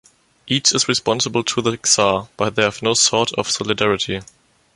Each is responsible to the Czar, but they have no sort of solidarity.